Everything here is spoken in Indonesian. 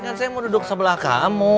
kan saya mau duduk sebelah kamu